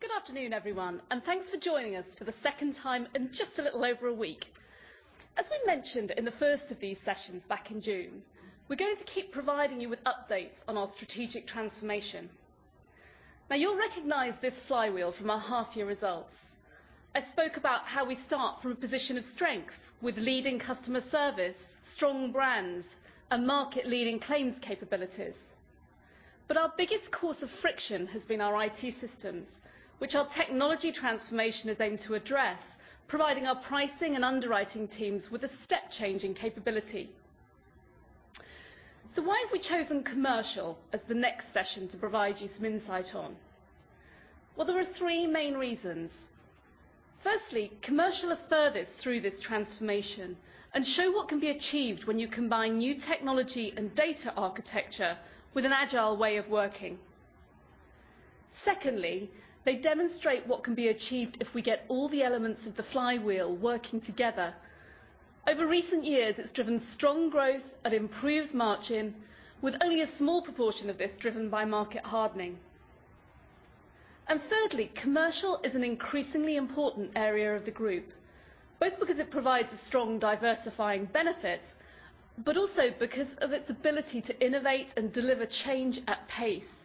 Good afternoon, everyone, and thanks for joining us for the second time in just a little over a week. As we mentioned in the first of these sessions back in June, we're going to keep providing you with updates on our strategic transformation. Now, you'll recognize this flywheel from our half-year results. I spoke about how we start from a position of strength with leading customer service, strong brands, and market-leading claims capabilities. Our biggest course of friction has been our IT systems, which our technology transformation is aimed to address, providing our pricing and underwriting teams with a step change in capability. Why have we chosen commercial as the next session to provide you some insight on? Well, there are three main reasons. Firstly, commercial are furthest through this transformation and show what can be achieved when you combine new technology and data architecture with an agile way of working. Secondly, they demonstrate what can be achieved if we get all the elements of the flywheel working together. Over recent years, it's driven strong growth and improved margin, with only a small proportion of this driven by market hardening. Thirdly, commercial is an increasingly important area of the group, both because it provides a strong diversifying benefit, but also because of its ability to innovate and deliver change at pace.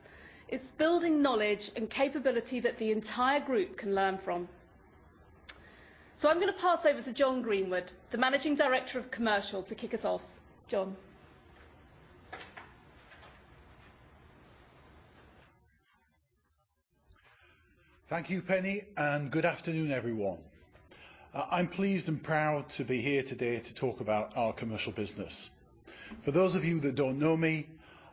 It's building knowledge and capability that the entire group can learn from. I'm gonna pass over to Jon Greenwood, the Managing Director of Commercial to kick us off. Jon. Thank you, Penny, and good afternoon, everyone. I'm pleased and proud to be here today to talk about our commercial business. For those of you that don't know me,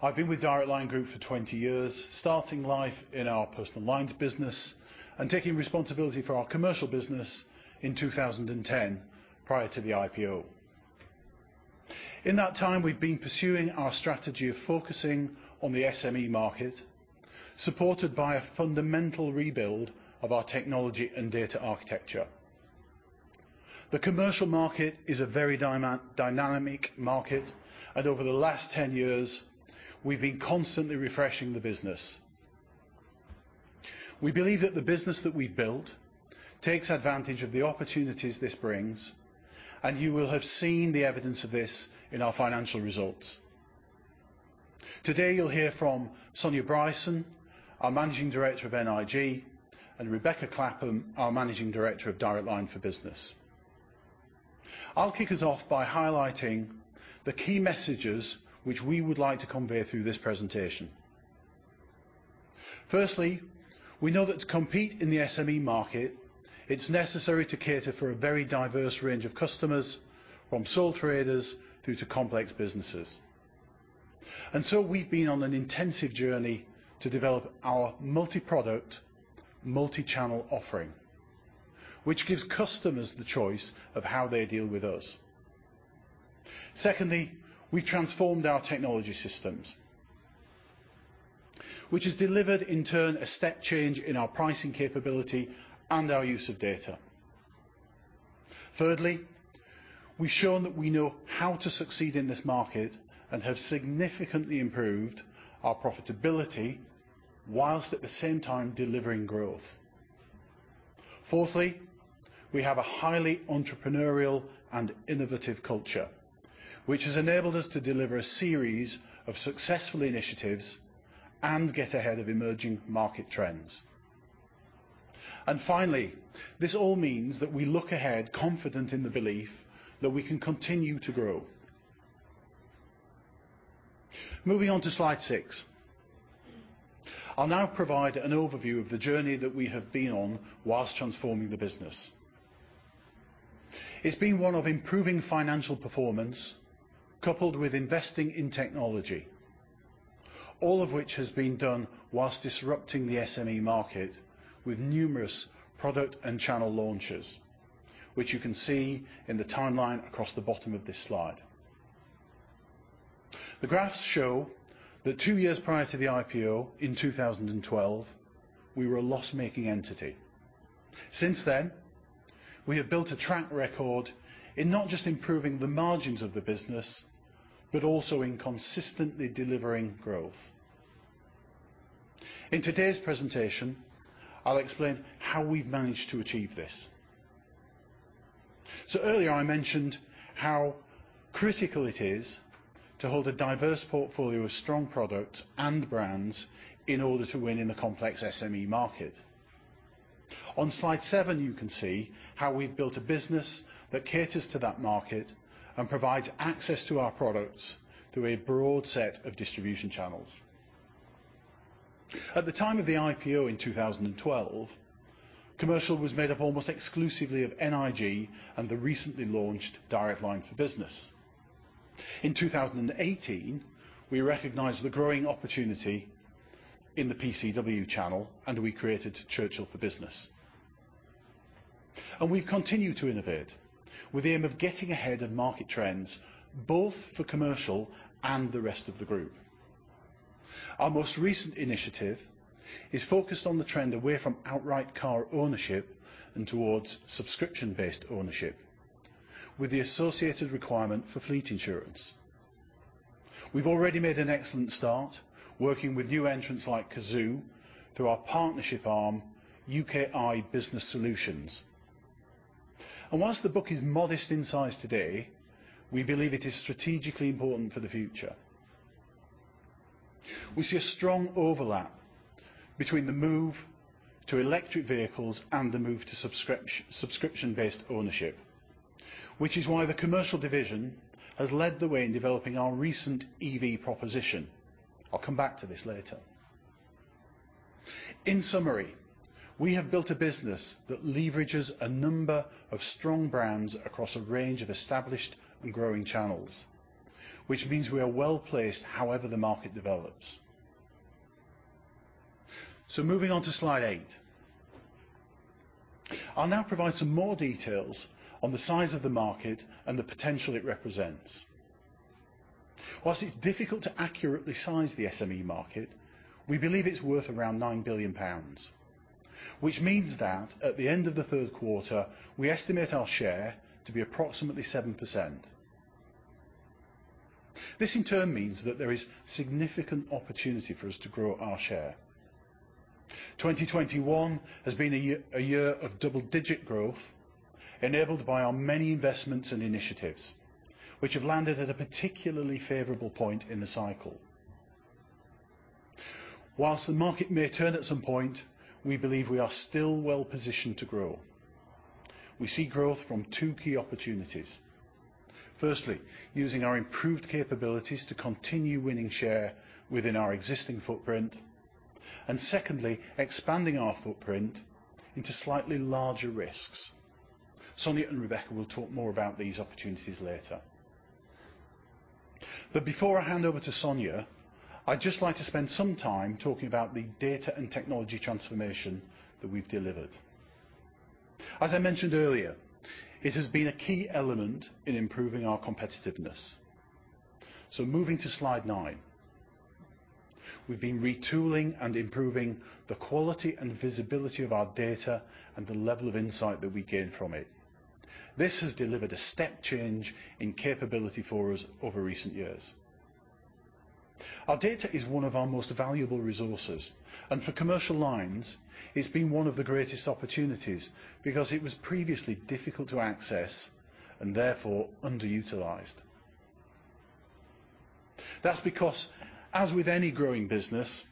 I've been with Direct Line Group for 20 years, starting life in our personal lines business and taking responsibility for our commercial business in 2010, prior to the IPO. In that time, we've been pursuing our strategy of focusing on the SME market, supported by a fundamental rebuild of our technology and data architecture. The commercial market is a very dynamic market, and over the last 10 years, we've been constantly refreshing the business. We believe that the business that we've built takes advantage of the opportunities this brings, and you will have seen the evidence of this in our financial results. Today, you'll hear from Sonya Bryson, our Managing Director of NIG, and Rebecca Clapham, our Managing Director of Direct Line for Business. I'll kick us off by highlighting the key messages which we would like to convey through this presentation. Firstly, we know that to compete in the SME market, it's necessary to cater for a very diverse range of customers, from sole traders through to complex businesses. We've been on an intensive journey to develop our multi-product, multi-channel offering, which gives customers the choice of how they deal with us. Secondly, we transformed our technology systems, which has delivered in turn a step change in our pricing capability and our use of data. Thirdly, we've shown that we know how to succeed in this market and have significantly improved our profitability while at the same time delivering growth. Fourthly, we have a highly entrepreneurial and innovative culture, which has enabled us to deliver a series of successful initiatives and get ahead of emerging market trends. Finally, this all means that we look ahead confident in the belief that we can continue to grow. Moving on to slide six. I'll now provide an overview of the journey that we have been on while transforming the business. It's been one of improving financial performance coupled with investing in technology, all of which has been done while disrupting the SME market with numerous product and channel launches, which you can see in the timeline across the bottom of this slide. The graphs show that two years prior to the IPO in 2012, we were a loss-making entity. Since then, we have built a track record in not just improving the margins of the business, but also in consistently delivering growth. In today's presentation, I'll explain how we've managed to achieve this. Earlier I mentioned how critical it is to hold a diverse portfolio of strong products and brands in order to win in the complex SME market. On slide seven, you can see how we've built a business that caters to that market and provides access to our products through a broad set of distribution channels. At the time of the IPO in 2012, Commercial was made up almost exclusively of NIG and the recently launched Direct Line for Business. In 2018, we recognized the growing opportunity in the PCW channel, and we created Churchill for Business. We've continued to innovate with the aim of getting ahead of market trends, both for commercial and the rest of the group. Our most recent initiative is focused on the trend away from outright car ownership and towards subscription-based ownership with the associated requirement for fleet insurance. We've already made an excellent start working with new entrants like Cazoo through our partnership arm, UKI Business Solutions. While the book is modest in size today, we believe it is strategically important for the future. We see a strong overlap between the move to electric vehicles and the move to subscription-based ownership, which is why the commercial division has led the way in developing our recent EV proposition. I'll come back to this later. In summary, we have built a business that leverages a number of strong brands across a range of established and growing channels, which means we are well-placed however the market develops. Moving on to slide eight. I'll now provide some more details on the size of the market and the potential it represents. While it's difficult to accurately size the SME market, we believe it's worth around 9 billion pounds. Which means that at the end of the third quarter, we estimate our share to be approximately 7%. This in turn means that there is significant opportunity for us to grow our share. 2021 has been a year of double-digit growth enabled by our many investments and initiatives which have landed at a particularly favorable point in the cycle. While the market may turn at some point, we believe we are still well-positioned to grow. We see growth from two key opportunities. Firstly, using our improved capabilities to continue winning share within our existing footprint, and secondly, expanding our footprint into slightly larger risks. Sonya and Rebecca will talk more about these opportunities later. Before I hand over to Sonya, I'd just like to spend some time talking about the data and technology transformation that we've delivered. As I mentioned earlier, it has been a key element in improving our competitiveness. Moving to slide nine. We've been retooling and improving the quality and visibility of our data and the level of insight that we gain from it. This has delivered a step change in capability for us over recent years. Our data is one of our most valuable resources, and for Commercial Lines, it's been one of the greatest opportunities because it was previously difficult to access and therefore underutilized. That's because, as with any growing business,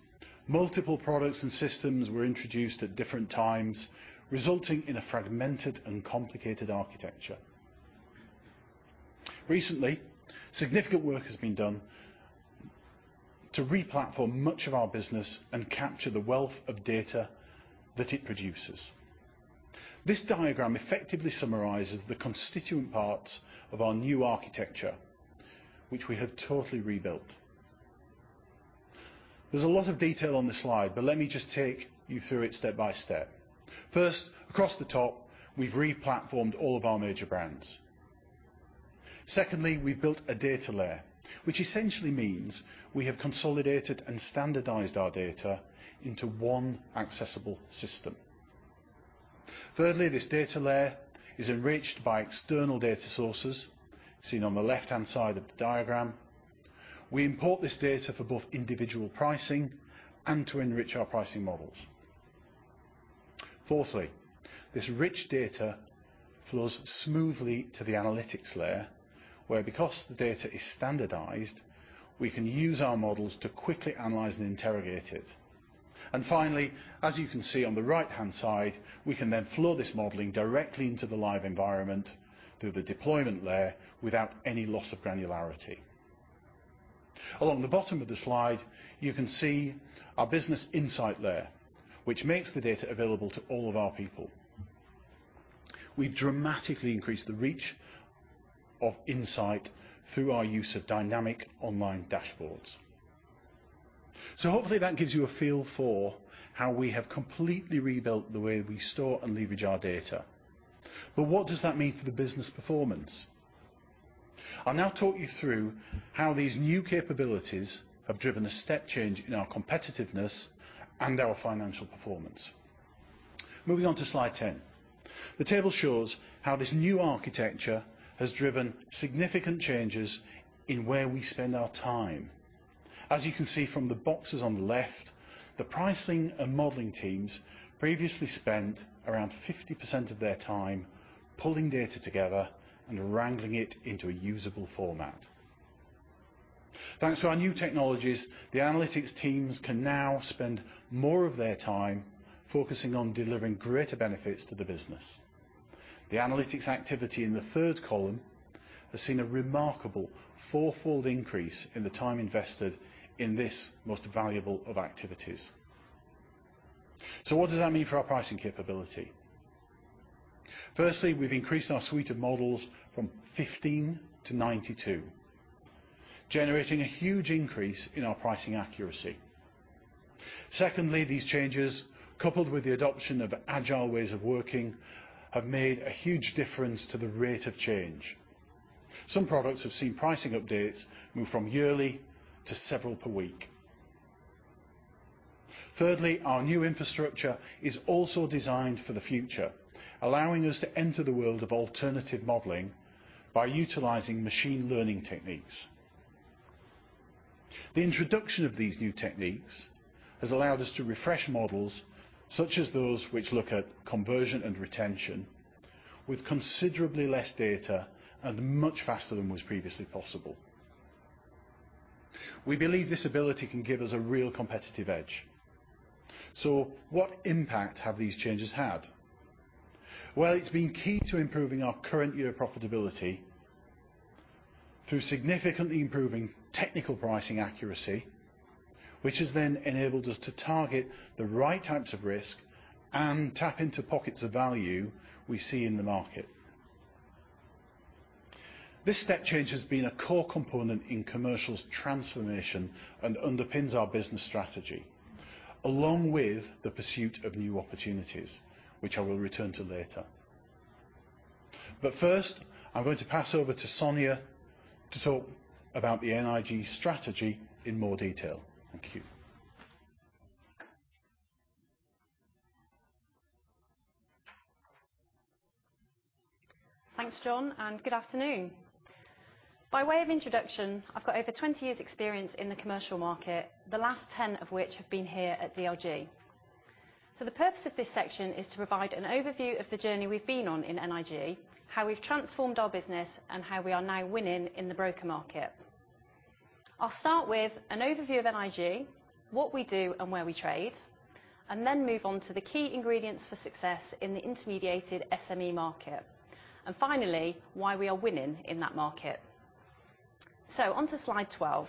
multiple products and systems were introduced at different times, resulting in a fragmented and complicated architecture. Recently, significant work has been done to re-platform much of our business and capture the wealth of data that it produces. This diagram effectively summarizes the constituent parts of our new architecture, which we have totally rebuilt. There's a lot of detail on this slide, but let me just take you through it step by step. First, across the top, we've re-platformed all of our major brands. Secondly, we've built a data layer, which essentially means we have consolidated and standardized our data into one accessible system. Thirdly, this data layer is enriched by external data sources seen on the left-hand side of the diagram. We import this data for both individual pricing and to enrich our pricing models. Fourthly, this rich data flows smoothly to the analytics layer where, because the data is standardized, we can use our models to quickly analyze and interrogate it. Finally, as you can see on the right-hand side, we can then flow this modeling directly into the live environment through the deployment layer without any loss of granularity. Along the bottom of the slide, you can see our business insight layer, which makes the data available to all of our people. We've dramatically increased the reach of insight through our use of dynamic online dashboards. Hopefully that gives you a feel for how we have completely rebuilt the way we store and leverage our data. What does that mean for the business performance? I'll now talk you through how these new capabilities have driven a step change in our competitiveness and our financial performance. Moving on to slide 10. The table shows how this new architecture has driven significant changes in where we spend our time. As you can see from the boxes on the left, the pricing and modeling teams previously spent around 50% of their time pulling data together and wrangling it into a usable format. Thanks to our new technologies, the analytics teams can now spend more of their time focusing on delivering greater benefits to the business. The analytics activity in the third column has seen a remarkable four-fold increase in the time invested in this most valuable of activities. What does that mean for our pricing capability? Firstly, we've increased our suite of models from 15-92, generating a huge increase in our pricing accuracy. Secondly, these changes, coupled with the adoption of agile ways of working, have made a huge difference to the rate of change. Some products have seen pricing updates move from yearly to several per week. Thirdly, our new infrastructure is also designed for the future, allowing us to enter the world of alternative modeling by utilizing machine learning techniques. The introduction of these new techniques has allowed us to refresh models such as those which look at conversion and retention with considerably less data and much faster than was previously possible. We believe this ability can give us a real competitive edge. What impact have these changes had? Well, it's been key to improving our current year profitability through significantly improving technical pricing accuracy, which has then enabled us to target the right types of risk and tap into pockets of value we see in the market. This step change has been a core component in Commercial's transformation and underpins our business strategy, along with the pursuit of new opportunities, which I will return to later. First, I'm going to pass over to Sonya to talk about the NIG strategy in more detail. Thank you. Thanks, Jon, and good afternoon. By way of introduction, I've got over 20 years' experience in the commercial market, the last 10 of which have been here at DLG. The purpose of this section is to provide an overview of the journey we've been on in NIG, how we've transformed our business, and how we are now winning in the broker market. I'll start with an overview of NIG, what we do and where we trade, and then move on to the key ingredients for success in the intermediated SME market. Finally, why we are winning in that market. On to slide 12.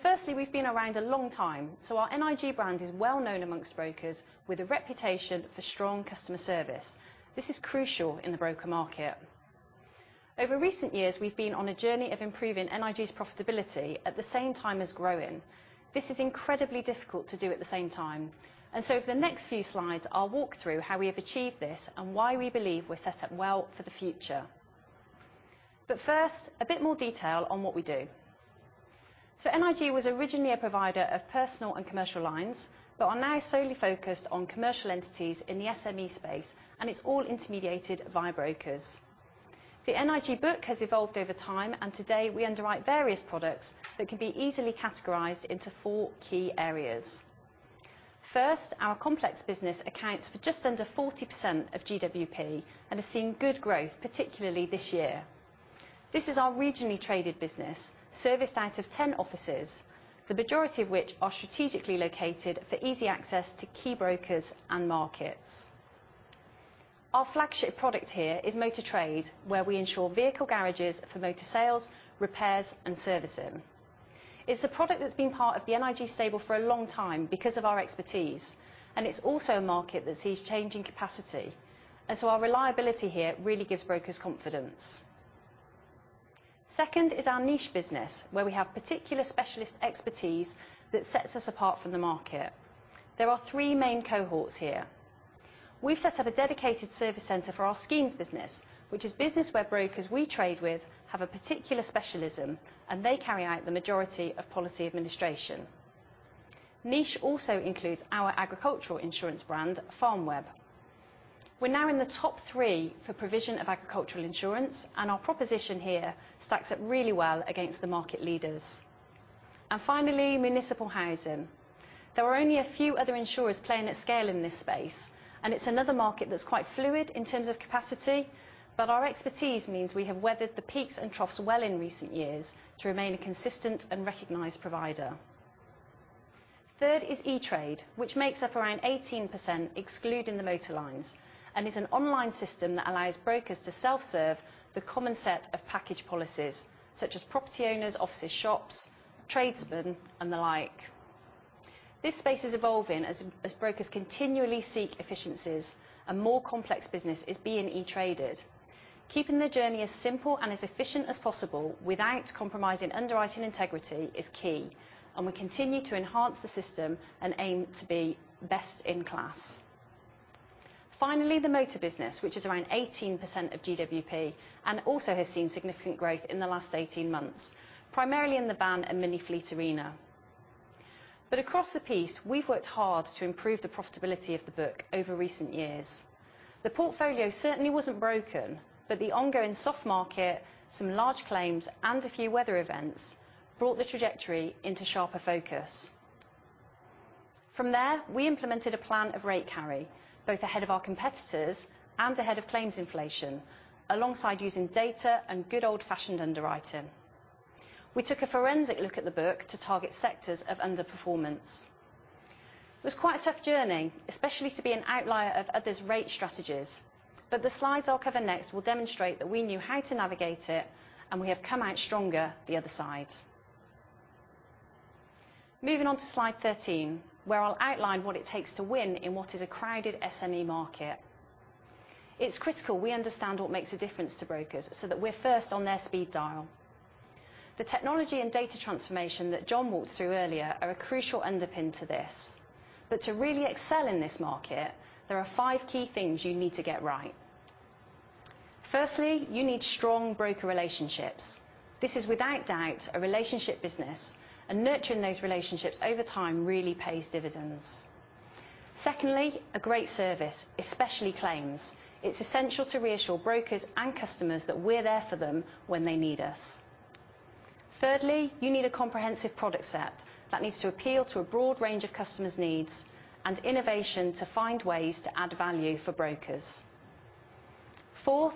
Firstly, we've been around a long time, so our NIG brand is well-known amongst brokers with a reputation for strong customer service. This is crucial in the broker market. Over recent years, we've been on a journey of improving NIG's profitability at the same time as growing. This is incredibly difficult to do at the same time, and so for the next few slides, I'll walk through how we have achieved this and why we believe we're set up well for the future. First, a bit more detail on what we do. NIG was originally a provider of personal and commercial lines, but are now solely focused on commercial entities in the SME space, and it's all intermediated by brokers. The NIG book has evolved over time, and today we underwrite various products that can be easily categorized into four key areas. First, our complex business accounts for just under 40% of GWP and has seen good growth, particularly this year. This is our regionally traded business, serviced out of 10 offices, the majority of which are strategically located for easy access to key brokers and markets. Our flagship product here is motor trade, where we insure vehicle garages for motor sales, repairs, and servicing. It's a product that's been part of the NIG stable for a long time because of our expertise, and it's also a market that sees changing capacity. Our reliability here really gives brokers confidence. Second is our niche business, where we have particular specialist expertise that sets us apart from the market. There are three main cohorts here. We've set up a dedicated service center for our schemes business, which is business where brokers we trade with have a particular specialism, and they carry out the majority of policy administration. Niche also includes our agricultural insurance brand, FarmWeb. We're now in the top three for provision of agricultural insurance, and our proposition here stacks up really well against the market leaders. Finally, municipal housing. There are only a few other insurers playing at scale in this space, and it's another market that's quite fluid in terms of capacity, but our expertise means we have weathered the peaks and troughs well in recent years to remain a consistent and recognized provider. Third is E*TRADE, which makes up around 18%, excluding the motor lines, and is an online system that allows brokers to self-serve the common set of package policies such as property owners, offices, shops, tradesmen, and the like. This space is evolving as brokers continually seek efficiencies and more complex business is being e-traded. Keeping the journey as simple and as efficient as possible without compromising underwriting integrity is key, and we continue to enhance the system and aim to be best in class. Finally, the motor business, which is around 18% of GWP and also has seen significant growth in the last 18 months, primarily in the van and mini fleet arena. Across the piece, we've worked hard to improve the profitability of the book over recent years. The portfolio certainly wasn't broken, but the ongoing soft market, some large claims, and a few weather events brought the trajectory into sharper focus. From there, we implemented a plan of rate carry, both ahead of our competitors and ahead of claims inflation, alongside using data and good old-fashioned underwriting. We took a forensic look at the book to target sectors of underperformance. It was quite a tough journey, especially to be an outlier of others' rate strategies. The slides I'll cover next will demonstrate that we knew how to navigate it, and we have come out stronger the other side. Moving on to slide 13, where I'll outline what it takes to win in what is a crowded SME market. It's critical we understand what makes a difference to brokers so that we're first on their speed dial. The technology and data transformation that Jon walked through earlier are a crucial underpin to this. To really excel in this market, there are five key things you need to get right. Firstly, you need strong broker relationships. This is without doubt a relationship business, and nurturing those relationships over time really pays dividends. Secondly, a great service, especially claims. It's essential to reassure brokers and customers that we're there for them when they need us. Thirdly, you need a comprehensive product set that needs to appeal to a broad range of customers' needs, and innovation to find ways to add value for brokers. Fourth,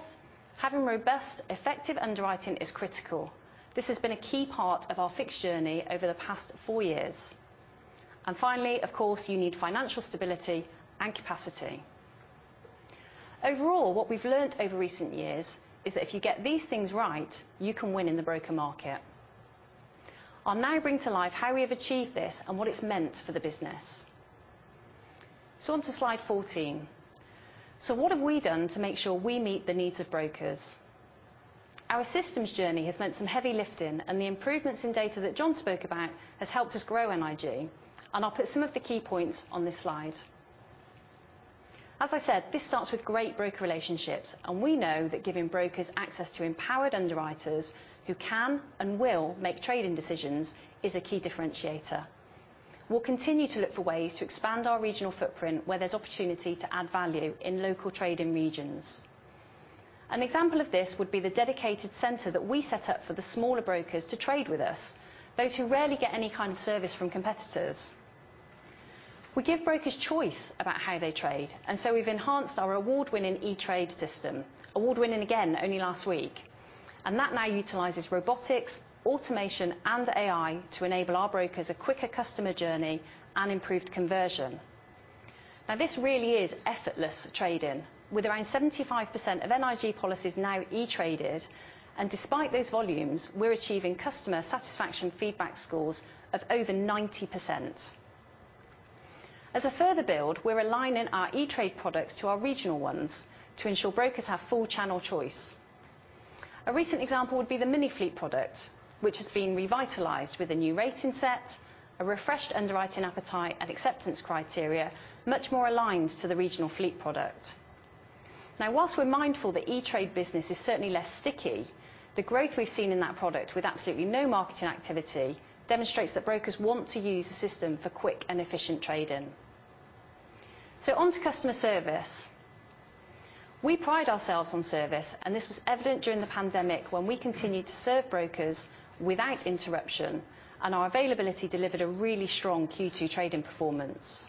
having robust, effective underwriting is critical. This has been a key part of our fixed journey over the past four years. Finally, of course, you need financial stability and capacity. Overall, what we've learned over recent years is that if you get these things right, you can win in the broker market. I'll now bring to life how we have achieved this and what it's meant for the business. On to slide 14. What have we done to make sure we meet the needs of brokers? Our systems journey has meant some heavy lifting, and the improvements in data that Jon spoke about has helped us grow NIG. I'll put some of the key points on this slide. As I said, this starts with great broker relationships, and we know that giving brokers access to empowered underwriters who can and will make trading decisions is a key differentiator. We'll continue to look for ways to expand our regional footprint where there's opportunity to add value in local trading regions. An example of this would be the dedicated center that we set up for the smaller brokers to trade with us, those who rarely get any kind of service from competitors. We give brokers choice about how they trade, and so we've enhanced our award-winning E*TRADE system. Award-winning again only last week. That now utilizes robotics, automation, and AI to enable our brokers a quicker customer journey and improved conversion. Now, this really is effortless trading. With around 75% of NIG policies now e-traded, and despite those volumes, we're achieving customer satisfaction feedback scores of over 90%. As a further build, we're aligning our E*TRADE products to our regional ones to ensure brokers have full channel choice. A recent example would be the mini fleet product, which has been revitalized with a new rating set, a refreshed underwriting appetite, and acceptance criteria much more aligned to the regional fleet product. Now, while we're mindful the E*TRADE business is certainly less sticky, the growth we've seen in that product with absolutely no marketing activity demonstrates that brokers want to use the system for quick and efficient trading. On to customer service. We pride ourselves on service, and this was evident during the pandemic, when we continued to serve brokers without interruption, and our availability delivered a really strong Q2 trading performance.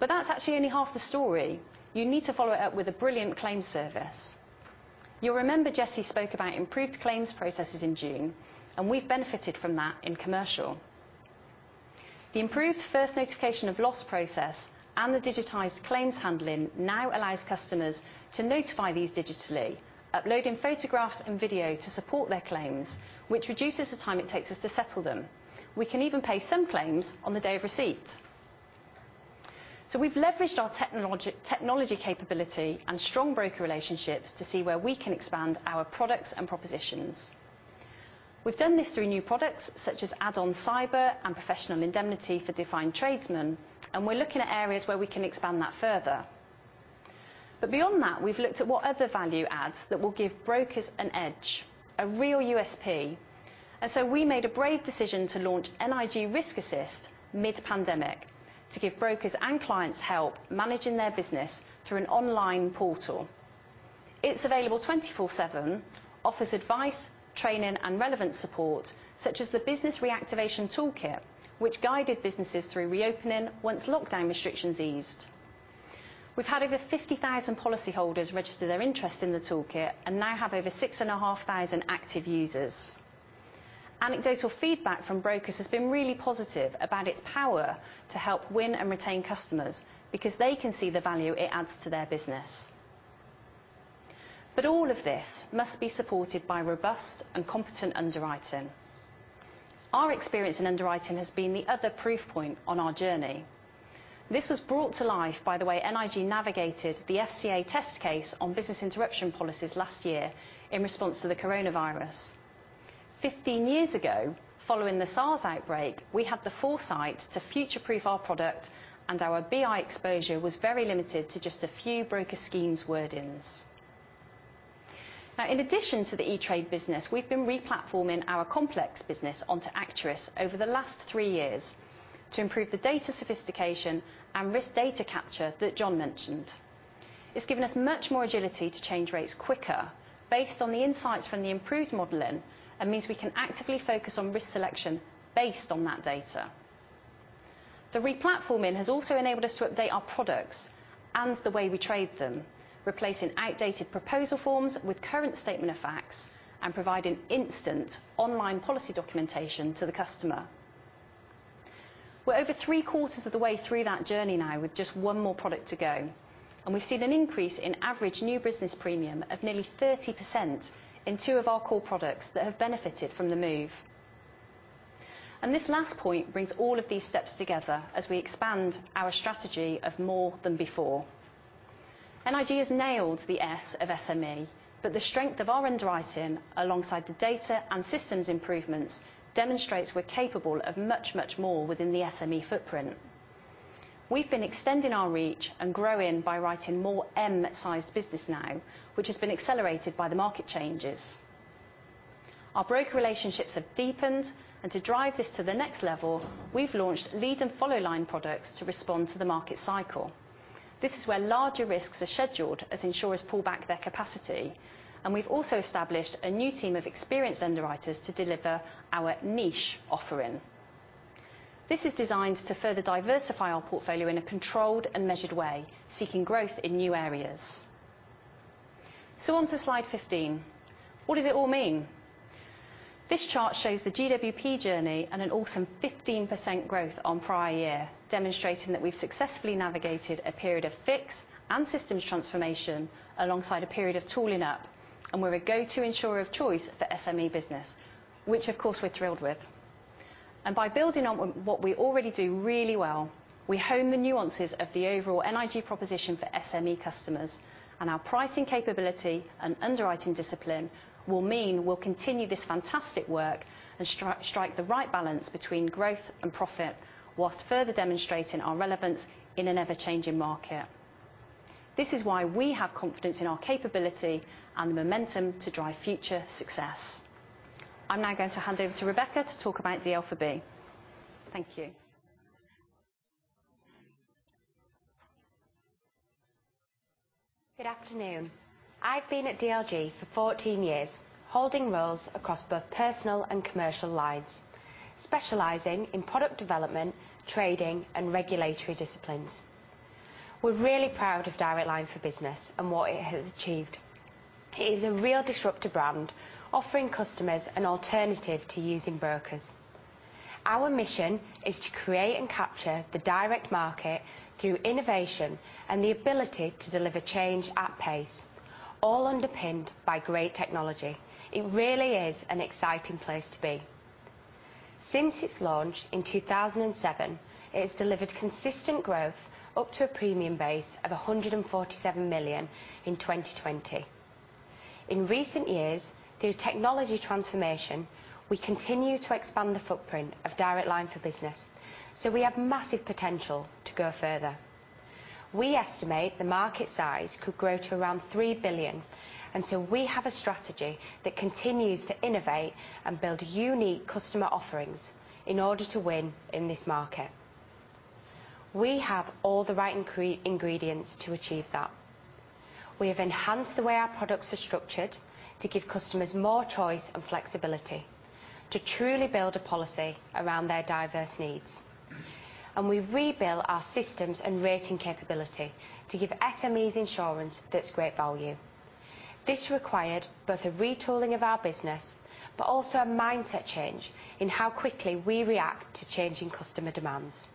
That's actually only half the story. You need to follow it up with a brilliant claims service. You'll remember Jesse spoke about improved claims processes in June, and we've benefited from that in commercial. The improved first notification of loss process and the digitized claims handling now allows customers to notify these digitally, uploading photographs and video to support their claims, which reduces the time it takes us to settle them. We can even pay some claims on the day of receipt. We've leveraged our technology capability and strong broker relationships to see where we can expand our products and propositions. We've done this through new products such as add-on cyber and professional indemnity for defined tradesmen, and we're looking at areas where we can expand that further. Beyond that, we've looked at what other value adds that will give brokers an edge, a real USP. We made a brave decision to launch NIG Risk Assist mid-pandemic to give brokers and clients help managing their business through an online portal. It's available 24/7, offers advice, training, and relevant support, such as the business reactivation toolkit, which guided businesses through reopening once lockdown restrictions eased. We've had over 50,000 policyholders register their interest in the toolkit and now have over 6,500 active users. Anecdotal feedback from brokers has been really positive about its power to help win and retain customers because they can see the value it adds to their business. All of this must be supported by robust and competent underwriting. Our experience in underwriting has been the other proof point on our journey. This was brought to life by the way NIG navigated the FCA test case on business interruption policies last year in response to the coronavirus. 15 years ago, following the SARS outbreak, we had the foresight to future-proof our product, and our BI exposure was very limited to just a few broker schemes' wordings. Now, in addition to the E*TRADE business, we've been re-platforming our complex business onto Acturis over the last three years to improve the data sophistication and risk data capture that Jon mentioned. It's given us much more agility to change rates quicker based on the insights from the improved modeling, and means we can actively focus on risk selection based on that data. The re-platforming has also enabled us to update our products and the way we trade them, replacing outdated proposal forms with current statement of facts and providing instant online policy documentation to the customer. We're over three-quarters of the way through that journey now with just one more product to go, and we've seen an increase in average new business premium of nearly 30% in two of our core products that have benefited from the move. This last point brings all of these steps together as we expand our strategy of more than before. NIG has nailed the S of SME, but the strength of our underwriting alongside the data and systems improvements demonstrates we're capable of much, much more within the SME footprint. We've been extending our reach and growing by writing more M-sized business now, which has been accelerated by the market changes. Our broker relationships have deepened, and to drive this to the next level, we've launched lead and follow line products to respond to the market cycle. This is where larger risks are scheduled as insurers pull back their capacity. We've also established a new team of experienced underwriters to deliver our niche offering. This is designed to further diversify our portfolio in a controlled and measured way, seeking growth in new areas. On to slide 15. What does it all mean? This chart shows the GWP journey and an awesome 15% growth on prior year, demonstrating that we've successfully navigated a period of fix and systems transformation alongside a period of tooling up, and we're a go-to insurer of choice for SME business, which of course we're thrilled with. By building on what we already do really well, we hone the nuances of the overall NIG proposition for SME customers. Our pricing capability and underwriting discipline will mean we'll continue this fantastic work and strike the right balance between growth and profit, while further demonstrating our relevance in an ever-changing market. This is why we have confidence in our capability and the momentum to drive future success. I'm now going to hand over to Rebecca to talk about the Direct Line for Business. Thank you. Good afternoon. I've been at DLG for 14 years, holding roles across both personal and commercial lines, specializing in product development, trading, and regulatory disciplines. We're really proud of Direct Line for Business and what it has achieved. It is a real disruptive brand, offering customers an alternative to using brokers. Our mission is to create and capture the direct market through innovation and the ability to deliver change at pace, all underpinned by great technology. It really is an exciting place to be. Since its launch in 2007, it has delivered consistent growth up to a premium base of 147 million in 2020. In recent years, through technology transformation, we continue to expand the footprint of Direct Line for Business, so we have massive potential to go further. We estimate the market size could grow to around 3 billion, and so we have a strategy that continues to innovate and build unique customer offerings in order to win in this market. We have all the right ingredients to achieve that. We have enhanced the way our products are structured to give customers more choice and flexibility to truly build a policy around their diverse needs. We've rebuilt our systems and rating capability to give SMEs insurance that's great value. This required both a retooling of our business, but also a mindset change in how quickly we react to changing customer demands.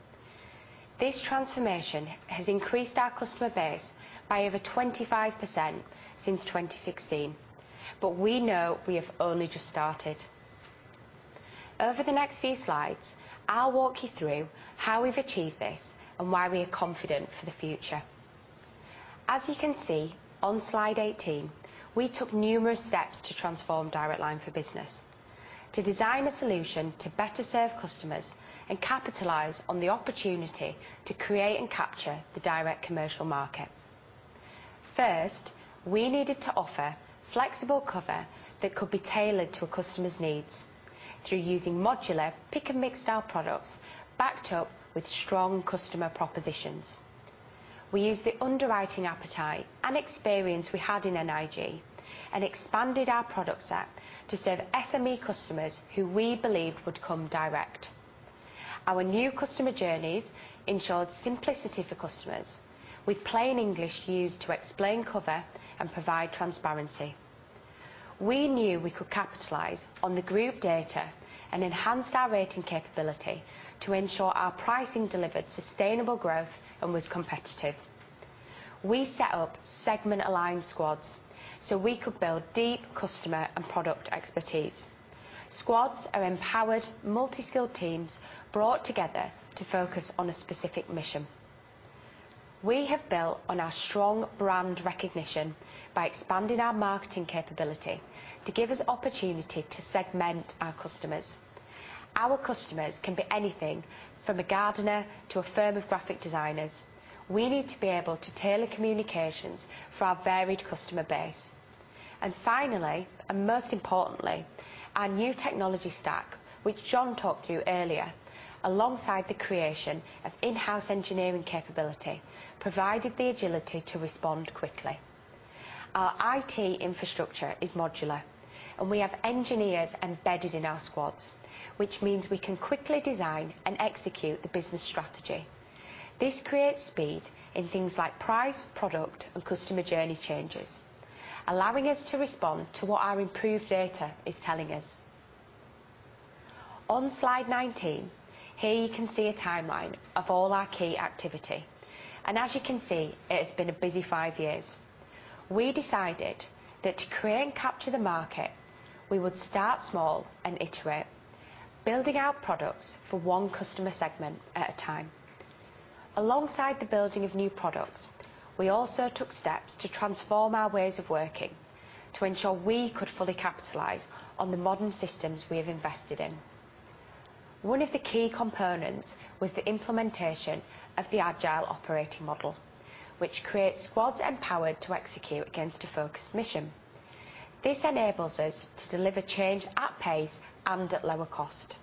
This transformation has increased our customer base by over 25% since 2016, but we know we have only just started. Over the next few slides, I'll walk you through how we've achieved this and why we are confident for the future. As you can see on slide 18, we took numerous steps to transform Direct Line for Business to design a solution to better serve customers and capitalize on the opportunity to create and capture the direct commercial market. First, we needed to offer flexible cover that could be tailored to a customer's needs through using modular pick and mix style products backed up with strong customer propositions. We used the underwriting appetite and experience we had in NIG and expanded our product set to serve SME customers who we believed would come direct. Our new customer journeys ensured simplicity for customers with plain English used to explain cover and provide transparency. We knew we could capitalize on the group data and enhanced our rating capability to ensure our pricing delivered sustainable growth and was competitive. We set up segment-aligned squads so we could build deep customer and product expertise. Squads are empowered multi-skilled teams brought together to focus on a specific mission. We have built on our strong brand recognition by expanding our marketing capability to give us opportunity to segment our customers. Our customers can be anything from a gardener to a firm of graphic designers. We need to be able to tailor communications for our varied customer base. Finally, and most importantly, our new technology stack, which Jon talked through earlier, alongside the creation of in-house engineering capability, provided the agility to respond quickly. Our IT infrastructure is modular, and we have engineers embedded in our squads, which means we can quickly design and execute the business strategy. This creates speed in things like price, product, and customer journey changes, allowing us to respond to what our improved data is telling us. On slide 19, here you can see a timeline of all our key activity, and as you can see, it has been a busy five years. We decided that to create and capture the market, we would start small and iterate, building out products for one customer segment at a time. Alongside the building of new products, we also took steps to transform our ways of working to ensure we could fully capitalize on the modern systems we have invested in. One of the key components was the implementation of the agile operating model, which creates squads empowered to execute against a focused mission. This enables us to deliver change at pace and at lower cost.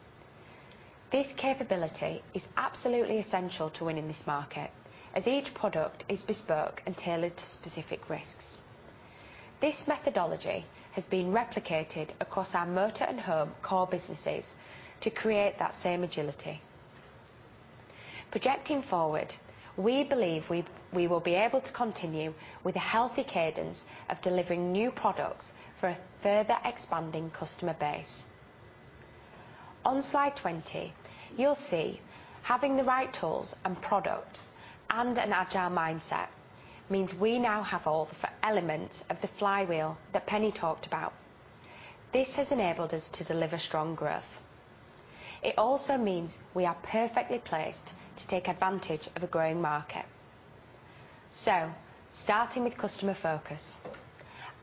This capability is absolutely essential to winning this market, as each product is bespoke and tailored to specific risks. This methodology has been replicated across our motor and home core businesses to create that same agility. Projecting forward, we believe we will be able to continue with a healthy cadence of delivering new products for a further expanding customer base. On Slide 20, you'll see having the right tools and products and an agile mindset means we now have all the five elements of the flywheel that Penny talked about. This has enabled us to deliver strong growth. It also means we are perfectly placed to take advantage of a growing market. Starting with customer focus.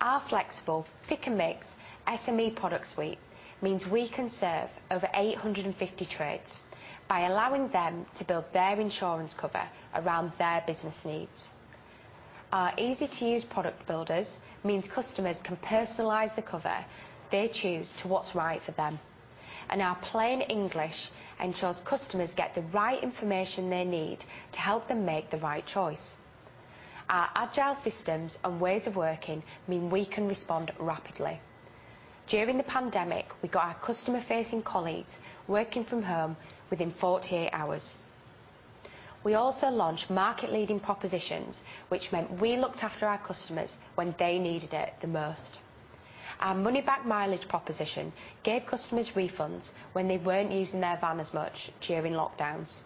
Our flexible pick and mix SME product suite means we can serve over 850 trades by allowing them to build their insurance cover around their business needs. Our easy-to-use product builders means customers can personalize the cover they choose to what's right for them. Our plain English ensures customers get the right information they need to help them make the right choice. Our agile systems and ways of working mean we can respond rapidly. During the pandemic, we got our customer-facing colleagues working from home within 48 hours. We also launched market-leading propositions, which meant we looked after our customers when they needed it the most. Our money-back mileage proposition gave customers refunds when they weren't using their van as much during lockdowns.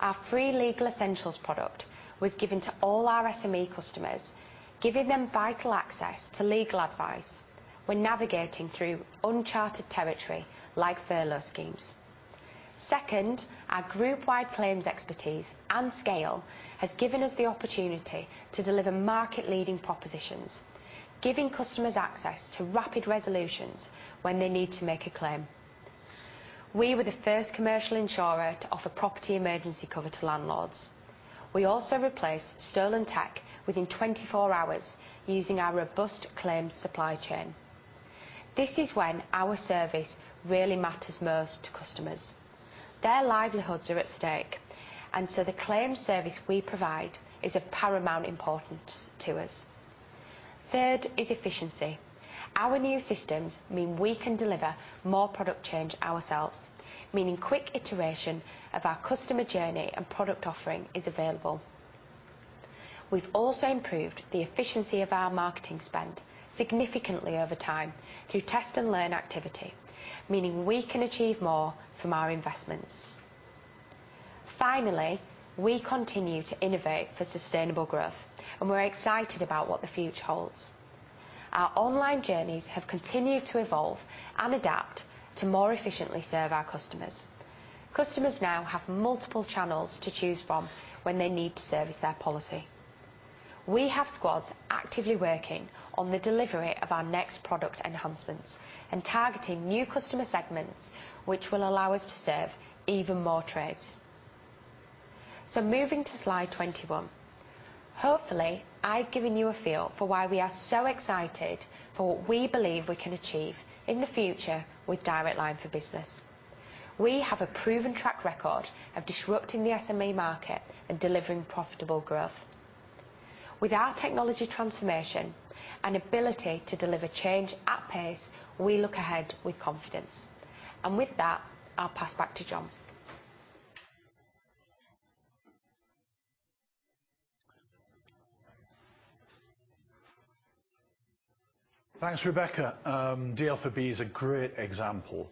Our free legal essentials product was given to all our SME customers, giving them vital access to legal advice when navigating through uncharted territory, like furlough schemes. Second, our group-wide claims expertise and scale has given us the opportunity to deliver market-leading propositions, giving customers access to rapid resolutions when they need to make a claim. We were the first commercial insurer to offer property emergency cover to landlords. We also replace stolen tech within 24 hours using our robust claims supply chain. This is when our service really matters most to customers. Their livelihoods are at stake, and so the claims service we provide is of paramount importance to us. Third is efficiency. Our new systems mean we can deliver more product change ourselves, meaning quick iteration of our customer journey and product offering is available. We've also improved the efficiency of our marketing spend significantly over time through test and learn activity, meaning we can achieve more from our investments. Finally, we continue to innovate for sustainable growth, and we're excited about what the future holds. Our online journeys have continued to evolve and adapt to more efficiently serve our customers. Customers now have multiple channels to choose from when they need to service their policy. We have squads actively working on the delivery of our next product enhancements and targeting new customer segments, which will allow us to serve even more trades. Moving to Slide 21, hopefully, I've given you a feel for why we are so excited for what we believe we can achieve in the future with Direct Line for Business. We have a proven track record of disrupting the SME market and delivering profitable growth. With our technology transformation and ability to deliver change at pace, we look ahead with confidence. With that, I'll pass back to Jon. Thanks, Rebecca. DL for B is a great example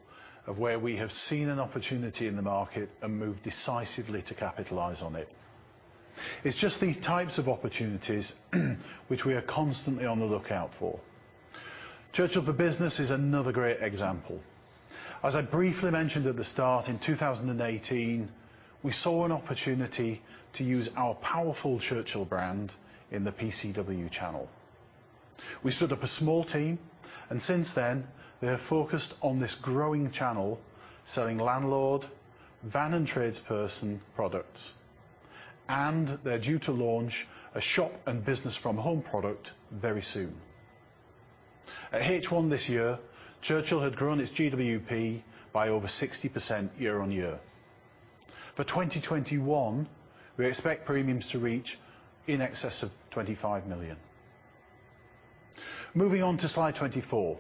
of where we have seen an opportunity in the market and moved decisively to capitalize on it. It's just these types of opportunities which we are constantly on the lookout for. Churchill for Business is another great example. As I briefly mentioned at the start, in 2018, we saw an opportunity to use our powerful Churchill brand in the PCW channel. We stood up a small team, and since then we have focused on this growing channel, selling landlord, van and tradesperson products. They're due to launch a shop and business from home product very soon. At H1 this year, Churchill had grown its GWP by over 60% year-on-year. For 2021, we expect premiums to reach in excess of 25 million. Moving on to slide 24.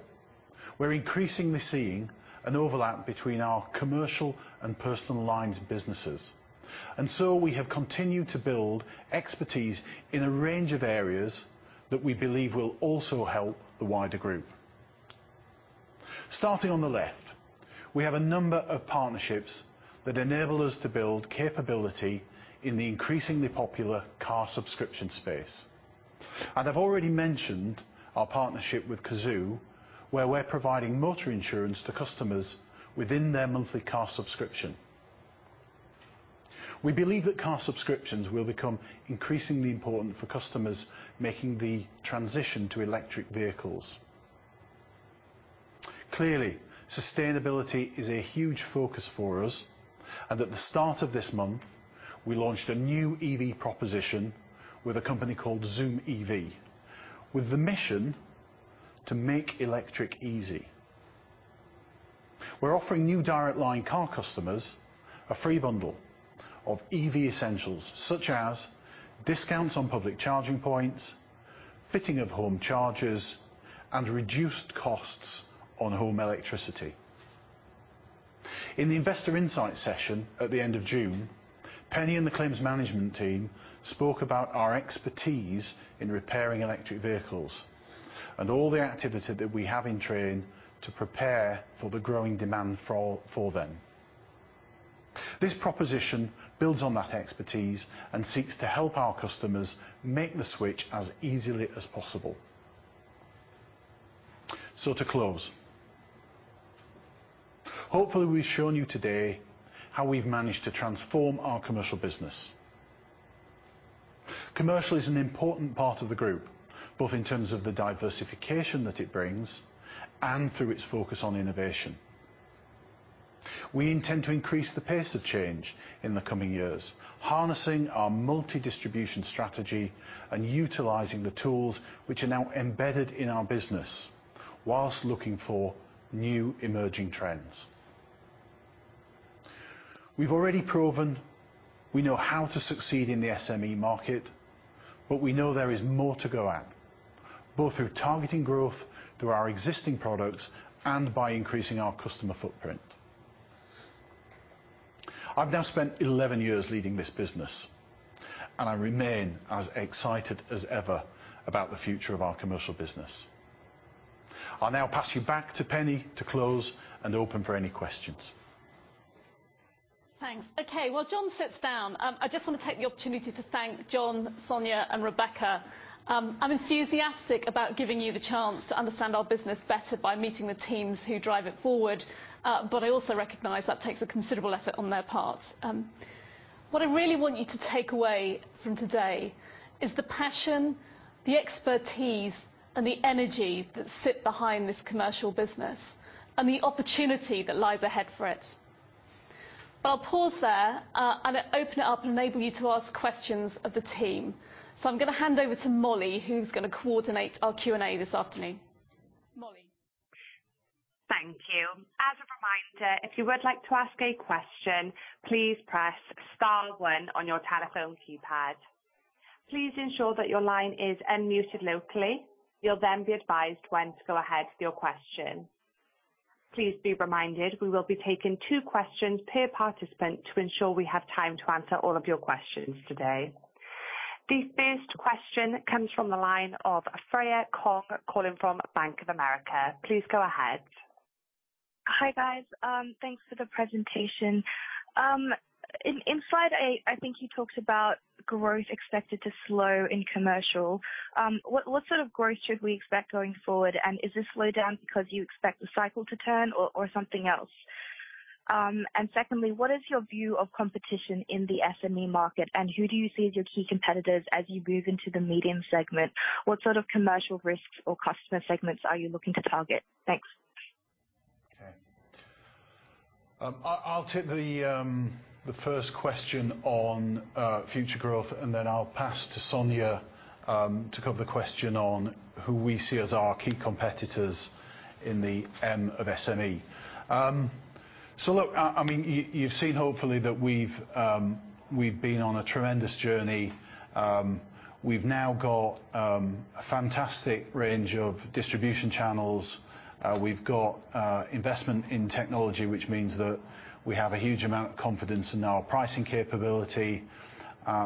We're increasingly seeing an overlap between our commercial and personal lines businesses. We have continued to build expertise in a range of areas that we believe will also help the wider group. Starting on the left, we have a number of partnerships that enable us to build capability in the increasingly popular car subscription space. I've already mentioned our partnership with Cazoo, where we're providing motor insurance to customers within their monthly car subscription. We believe that car subscriptions will become increasingly important for customers making the transition to electric vehicles. Clearly, sustainability is a huge focus for us, and at the start of this month, we launched a new EV proposition with a company called Zoom EV, with the mission to make electric easy. We're offering new Direct Line car customers a free bundle of EV essentials, such as discounts on public charging points, fitting of home chargers, and reduced costs on home electricity. In the Investor Insight session at the end of June, Penny and the claims management team spoke about our expertise in repairing electric vehicles and all the activity that we have in train to prepare for the growing demand for them. This proposition builds on that expertise and seeks to help our customers make the switch as easily as possible. To close, hopefully we've shown you today how we've managed to transform our commercial business. Commercial is an important part of the group, both in terms of the diversification that it brings and through its focus on innovation. We intend to increase the pace of change in the coming years, harnessing our multi-distribution strategy and utilizing the tools which are now embedded in our business while looking for new emerging trends. We've already proven we know how to succeed in the SME market, but we know there is more to go at, both through targeting growth through our existing products and by increasing our customer footprint. I've now spent 11 years leading this business, and I remain as excited as ever about the future of our commercial business. I'll now pass you back to Penny to close and open for any questions. Thanks. Okay, while Jon sits down, I just want to take the opportunity to thank Jon, Sonya, and Rebecca. I'm enthusiastic about giving you the chance to understand our business better by meeting the teams who drive it forward. I also recognize that takes a considerable effort on their part. What I really want you to take away from today is the passion, the expertise, and the energy that sit behind this commercial business and the opportunity that lies ahead for it. I'll pause there, and open it up and enable you to ask questions of the team. I'm gonna hand over to Molly, who's gonna coordinate our Q&A this afternoon. Molly. Thank you. As a reminder, if you would like to ask a question, please press star one on your telephone keypad. Please ensure that your line is unmuted locally. You'll then be advised when to go ahead with your question. Please be reminded, we will be taking two questions per participant to ensure we have time to answer all of your questions today. The first question comes from the line of Freya Kong, calling from Bank of America. Please go ahead. Hi, guys. Thanks for the presentation. In slide eight, I think you talked about growth expected to slow in commercial. What sort of growth should we expect going forward? And is this slowdown because you expect the cycle to turn or something else? And secondly, what is your view of competition in the SME market, and who do you see as your key competitors as you move into the medium segment? What sort of commercial risks or customer segments are you looking to target? Thanks. Okay. I'll take the first question on future growth, and then I'll pass to Sonya to cover the question on who we see as our key competitors in the M&A of SME. Look, I mean, you've seen hopefully that we've been on a tremendous journey. We've now got a fantastic range of distribution channels. We've got investment in technology, which means that we have a huge amount of confidence in our pricing capability.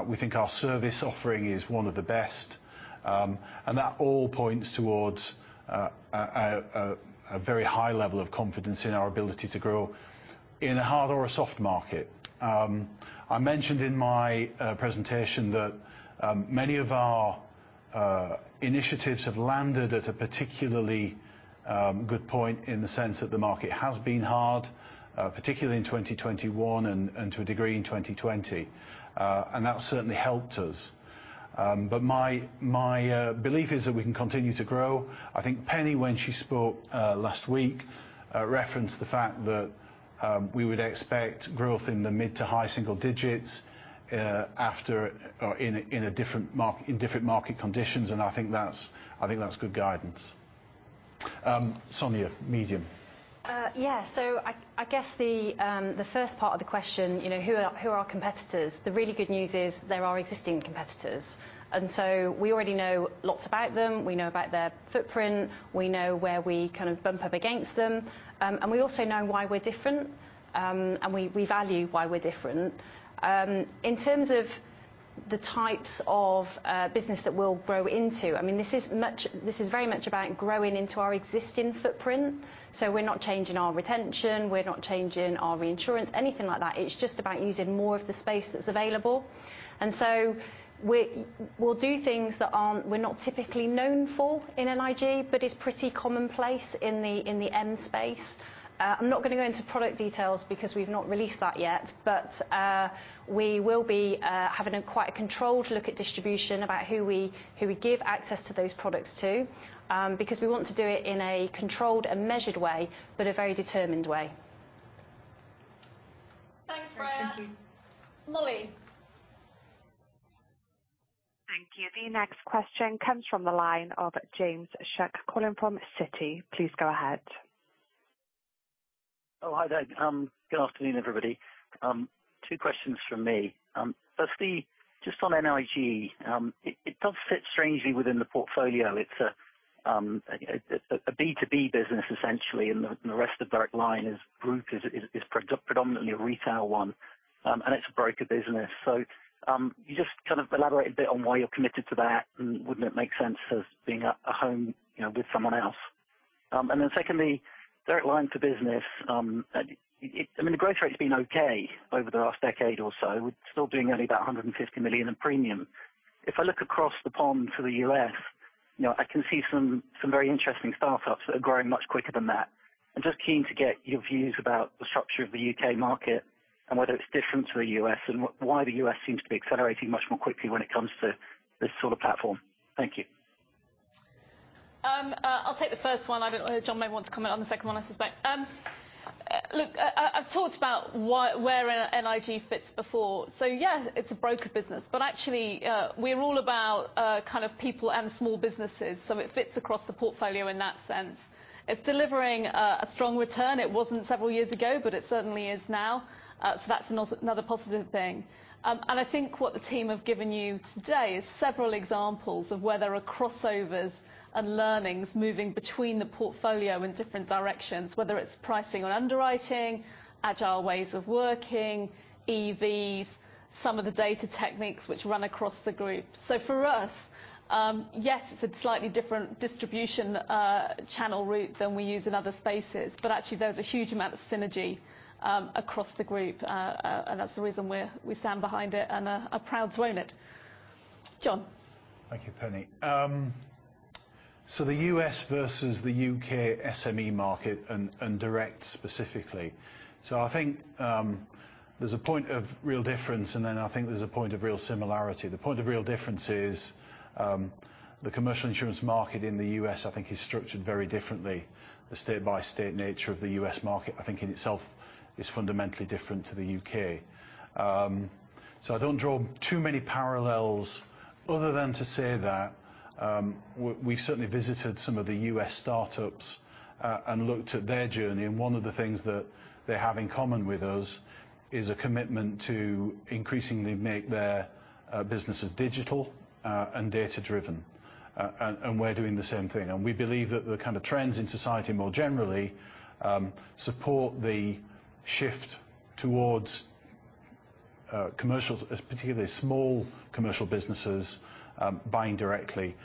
We think our service offering is one of the best. That all points towards a very high level of confidence in our ability to grow in a hard or a soft market. I mentioned in my presentation that many of our initiatives have landed at a particularly good point in the sense that the market has been hard, particularly in 2021 and to a degree in 2020. That certainly helped us. My belief is that we can continue to grow. I think Penny, when she spoke last week, referenced the fact that we would expect growth in the mid to high-single digits after or in different market conditions, and I think that's good guidance. Sonya, medium. Yeah. I guess the first part of the question, you know, who are our competitors? The really good news is they're our existing competitors, and we already know lots about them. We know about their footprint. We know where we kind of bump up against them. We also know why we're different, and we value why we're different. In terms of the types of business that we'll grow into, I mean, this is very much about growing into our existing footprint. We're not changing our retention, we're not changing our reinsurance, anything like that. It's just about using more of the space that's available. We'll do things that we're not typically known for in an IG, but is pretty commonplace in the M space. I'm not gonna go into product details because we've not released that yet. We will be having a quite controlled look at distribution about who we give access to those products to, because we want to do it in a controlled and measured way, but a very determined way. Thank you, Molly. Thank you. The next question comes from the line of James Shuck calling from Citi. Please go ahead. Good afternoon, everybody. Two questions from me. Firstly, just on NIG. It does fit strangely within the portfolio. It's a B to B business, essentially, and the rest of Direct Line Insurance Group is predominantly a retail one, and it's a broker business. Can you just kind of elaborate a bit on why you're committed to that, and wouldn't it make sense as being a home, you know, with someone else? And then secondly, Direct Line for Business. I mean, the growth rate's been okay over the last decade or so. We're still doing only about 150 million in premium. If I look across the pond to the U.S., you know, I can see some very interesting startups that are growing much quicker than that. I'm just keen to get your views about the structure of the UK market and whether it's different to the US and why the US seems to be accelerating much more quickly when it comes to this sort of platform? Thank you. I'll take the first one. I don't know, Jon may want to comment on the second one, I suspect. Look, I've talked about where NIG fits before. Yeah, it's a broker business, but actually, we're all about kind of people and small businesses, so it fits across the portfolio in that sense. It's delivering a strong return. It wasn't several years ago, but it certainly is now. That's another positive thing. I think what the team have given you today is several examples of where there are crossovers and learnings moving between the portfolio in different directions, whether it's pricing or underwriting, agile ways of working, EVs, some of the data techniques which run across the group. For us, yes, it's a slightly different distribution channel route than we use in other spaces, but actually, there's a huge amount of synergy across the group. That's the reason we stand behind it and are proud to own it. Jon? Thank you, Penny. The U.S. versus the U.K. SME market and direct specifically. I think there's a point of real difference, and then I think there's a point of real similarity. The point of real difference is the commercial insurance market in the U.S., I think is structured very differently. The state-by-state nature of the U.S. market, I think in itself is fundamentally different to the U.K. I don't draw too many parallels other than to say that we've certainly visited some of the U.S. startups and looked at their journey, and one of the things that they have in common with us is a commitment to increasingly make their businesses digital and data-driven. We're doing the same thing. We believe that the kind of trends in society more generally support the shift towards commercial, particularly small commercial businesses, buying directly.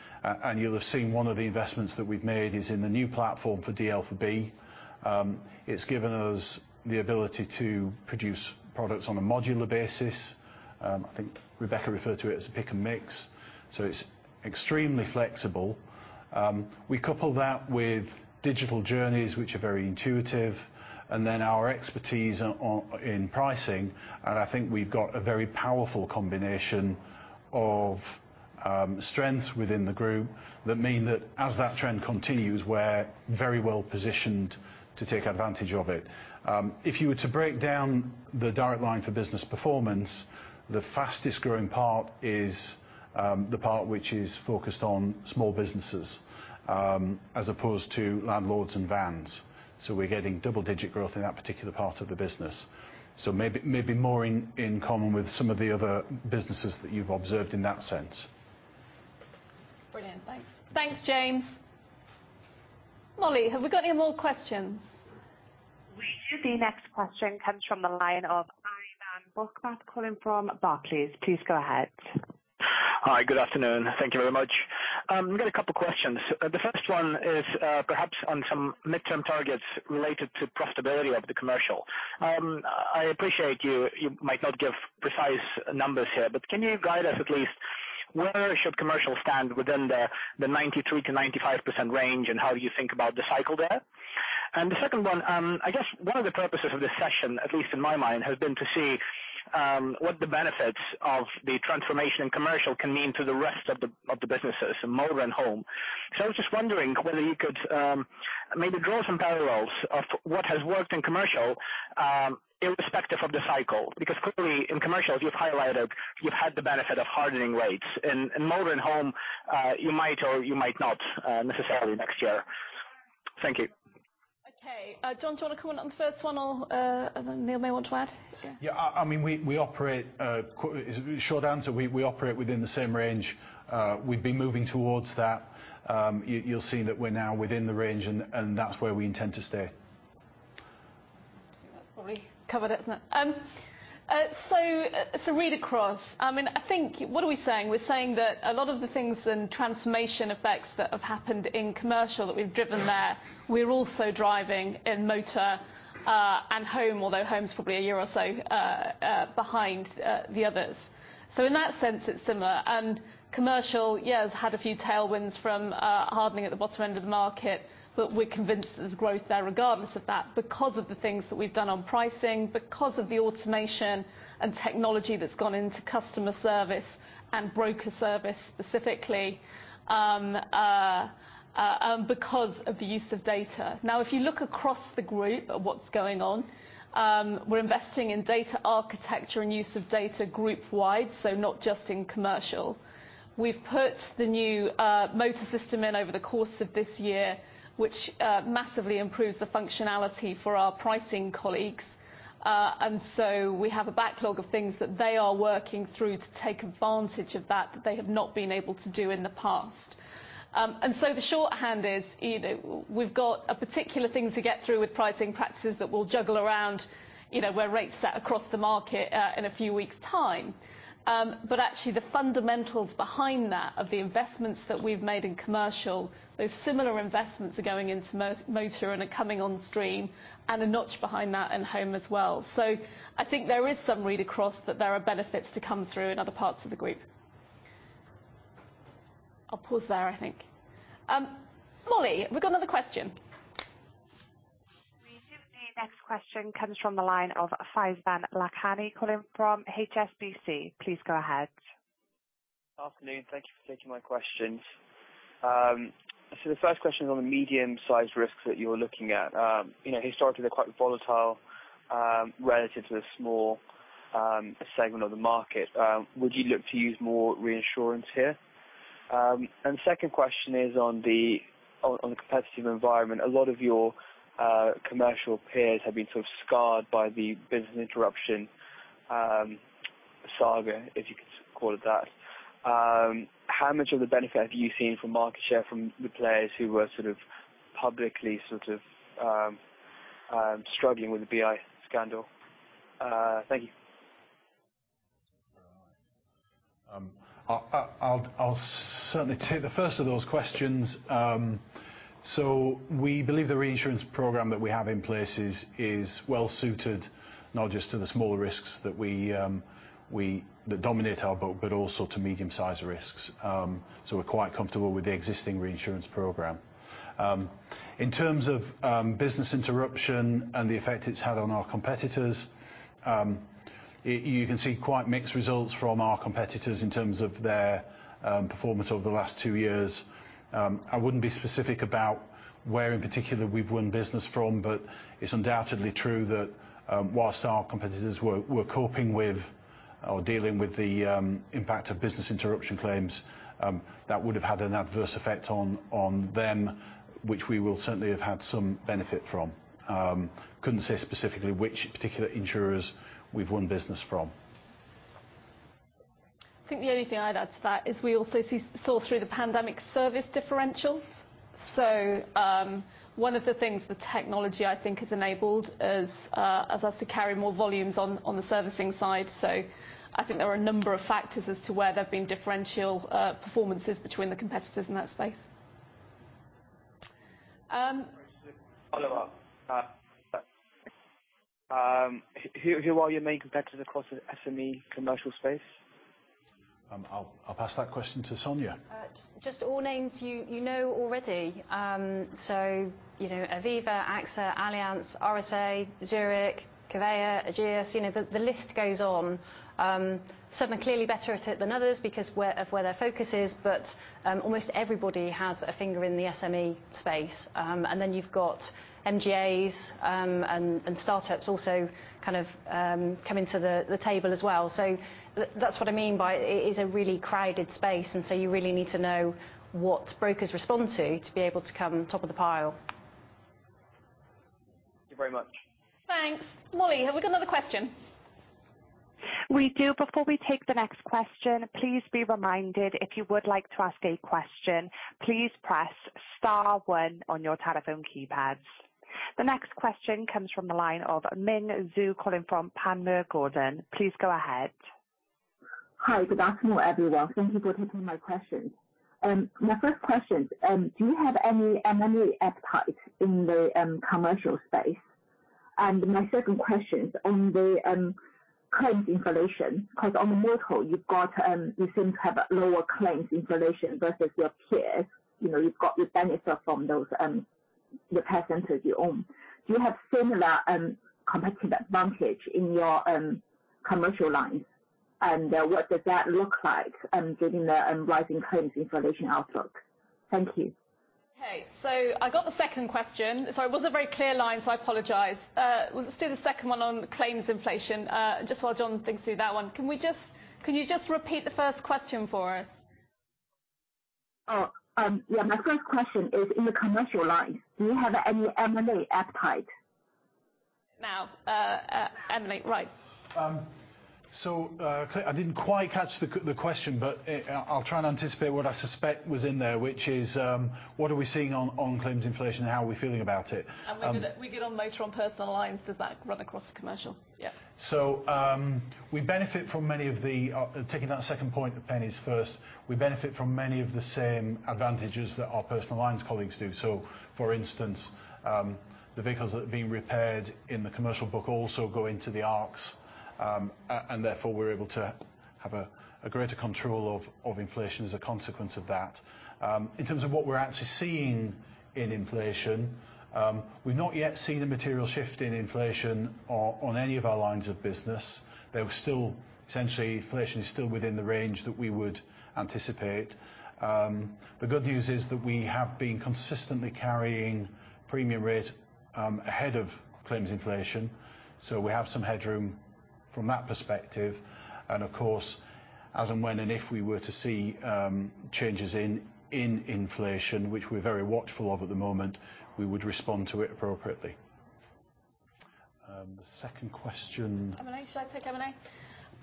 You'll have seen one of the investments that we've made is in the new platform for DL4B. It's given us the ability to produce products on a modular basis. I think Rebecca referred to it as a pick and mix, so it's extremely flexible. We couple that with digital journeys, which are very intuitive, and then our expertise in pricing, and I think we've got a very powerful combination of strengths within the group that mean that as that trend continues, we're very well positioned to take advantage of it. If you were to break down the Direct Line for Business performance, the fastest growing part is the part which is focused on small businesses, as opposed to landlords and vans. We're getting double-digit growth in that particular part of the business. Maybe more in common with some of the other businesses that you've observed in that sense. Brilliant. Thanks. Thanks, James. Molly, have we got any more questions? We do. The next question comes from the line of calling from Barclays. Please go ahead. Hi, good afternoon. Thank you very much. Got a couple questions. The first one is, perhaps on some midterm targets related to profitability of the commercial. I appreciate you might not give precise numbers here, but can you guide us at least where should commercial stand within the 93%-95% range, and how do you think about the cycle there? The second one, I guess one of the purposes of this session, at least in my mind, has been to see, what the benefits of the transformation in commercial can mean to the rest of the businesses, Motor and Home. I was just wondering whether you could, maybe draw some parallels of what has worked in commercial, irrespective of the cycle, because clearly in commercial, you've highlighted you had the benefit of hardening rates. In Motor and Home, you might or you might not necessarily next year. Thank you. Okay. Jon, do you wanna comment on the first one or Neil may want to add? Yeah. Yeah, I mean, short answer, we operate within the same range. We've been moving towards that. You'll see that we're now within the range and that's where we intend to stay. That's probably covered it, isn't it? Read across. I mean, I think what are we saying? We're saying that a lot of the things and transformation effects that have happened in Commercial that we've driven there, we're also driving in Motor and Home, although Home's probably a year or so behind the others. In that sense, it's similar. Commercial, yeah, has had a few tailwinds from hardening at the bottom end of the market, but we're convinced there's growth there regardless of that, because of the things that we've done on pricing, because of the automation and technology that's gone into customer service and broker service specifically, and because of the use of data. Now, if you look across the group at what's going on, we're investing in data architecture and use of data group wide, so not just in Commercial. We've put the new motor system in over the course of this year, which massively improves the functionality for our pricing colleagues. We have a backlog of things that they are working through to take advantage of that they have not been able to do in the past. The shorthand is, you know, we've got a particular thing to get through with pricing practices that will juggle around, you know, where rates sat across the market, in a few weeks time. Actually the fundamentals behind that, of the investments that we've made in Commercial, those similar investments are going into Motor and are coming on stream, and a notch behind that in Home as well. I think there is some read across that there are benefits to come through in other parts of the group. I'll pause there, I think. Molly, have we got another question? We do. The next question comes from the line of Faizan Lakhani calling from HSBC. Please go ahead. Afternoon. Thank you for taking my questions. The first question is on the medium-sized risks that you're looking at. You know, historically, they're quite volatile relative to the small segment of the market. Would you look to use more reinsurance here? Second question is on the competitive environment. A lot of your commercial peers have been sort of scarred by the business interruption saga, if you could call it that. How much of the benefit have you seen from market share from the players who were sort of publicly struggling with the BI scandal? Thank you. I'll certainly take the first of those questions. We believe the reinsurance program that we have in place is well suited, not just to the smaller risks that dominate our book, but also to medium-sized risks. We're quite comfortable with the existing reinsurance program. In terms of business interruption and the effect it's had on our competitors, you can see quite mixed results from our competitors in terms of their performance over the last two years. I wouldn't be specific about where in particular we've won business from, but it's undoubtedly true that while our competitors were coping with or dealing with the impact of business interruption claims, that would have had an adverse effect on them, which we will certainly have had some benefit from. Couldn't say specifically which particular insurers we've won business from. I think the only thing I'd add to that is we also saw through the pandemic service differentials. One of the things the technology, I think, has enabled is allows us to carry more volumes on the servicing side. I think there are a number of factors as to where there's been differential performances between the competitors in that space. Follow up. Who are your main competitors across the SME Commercial space? I'll pass that question to Sonya. Just all names you know already. You know Aviva, AXA, Allianz, RSA, Zurich, Covéa, Ageas, you know, the list goes on. Some are clearly better at it than others because of where their focus is, but almost everybody has a finger in the SME space. You've got MGAs and startups also kind of coming to the table as well. That's what I mean by it is a really crowded space, and you really need to know what brokers respond to be able to come top of the pile. Thank you very much. Thanks. Molly, have we got another question? We do. Before we take the next question, please be reminded, if you would like to ask a question, please press star one on your telephone keypads. The next question comes from the line of Ming Zhu calling from Panmure Gordon. Please go ahead. Hi, good afternoon, everyone. Thank you for taking my questions. My first question, do you have any M&A appetite in the commercial space? My second question is on the claims inflation, 'cause on the motor you've got, you seem to have lower claims inflation versus your peers. You know, you've got the benefit from those repair centers you own. Do you have similar competitive advantage in your commercial lines, and what does that look like, given the rising claims inflation outlook? Thank you. Okay, I got the second question. Sorry, it wasn't a very clear line, so I apologize. Let's do the second one on claims inflation. Just while Jon thinks through that one, can you just repeat the first question for us? My first question is, in the commercial line, do you have any M&A appetite? Now, M&A, right. I didn't quite catch the question, but I'll try and anticipate what I suspect was in there, which is, what are we seeing on claims inflation? How are we feeling about it? We could on motor, on personal lines. Does that run across commercial? Yeah. We benefit from many of the same advantages that our personal lines colleagues do. For instance, the vehicles that are being repaired in the commercial book also go into the ARCs. Therefore we're able to have a greater control of inflation as a consequence of that. In terms of what we're actually seeing in inflation, we've not yet seen a material shift in inflation on any of our lines of business. They're still essentially within the range that we would anticipate. The good news is that we have been consistently carrying premium rate ahead of claims inflation, so we have some headroom from that perspective. Of course, as and when and if we were to see changes in inflation, which we're very watchful of at the moment, we would respond to it appropriately. The second question. M&A. Shall I take M&A?